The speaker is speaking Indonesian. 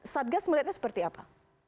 satgas melihatnya seperti apa